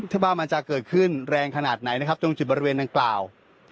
ถ้าว่ามันจะเกิดขึ้นแรงขนาดไหนนะครับตรงจุดบริเวณดังกล่าว